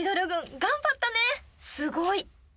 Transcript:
すごい！